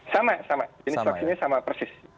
sama sama jenis vaksinnya sama persis